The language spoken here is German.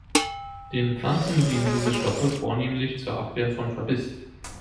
Den Pflanzen dienen diese Stoffe vornehmlich zur Abwehr von Verbiss.